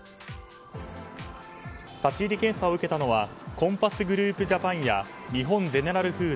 立ち入り検査を受けたのはコンパスグループ・ジャパンや日本ゼネラルフード